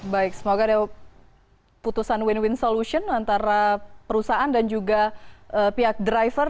baik semoga ada putusan win win solution antara perusahaan dan juga pihak driver